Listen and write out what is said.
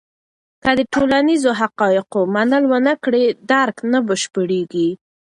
که د ټولنیزو حقایقو منل ونه کړې، درک نه بشپړېږي.